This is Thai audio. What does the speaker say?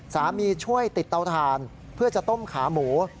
ช่วยติดเตาถ่านเพื่อจะต้มขาหมู